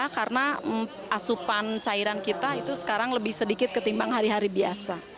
karena asupan cairan kita itu sekarang lebih sedikit ketimbang hari hari biasa